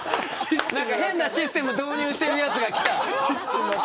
変なシステム導入してるやつが来た。